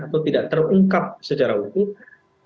atau tidak terungkap secara hukum